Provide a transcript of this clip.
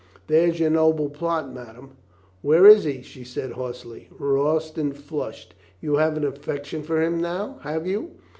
There's your noble plot, madame." "Where is he?" she said hoarsely. Royston flushed. "You have an affection for him now, have you?